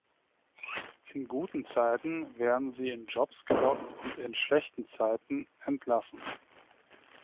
In guten Zeiten werden sie in Jobs gelockt und in schlechten Zeiten entlassen.